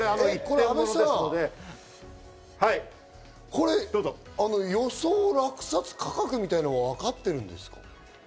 阿部さん、これ予想落札価格みたいなのは分かってるんですか？